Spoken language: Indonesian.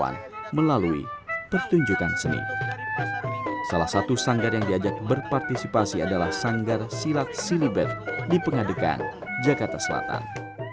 sanggar yang diadakan oleh penyelidikan dan penyelidikan adalah sanggar silat silibet di penyelidikan jakarta selatan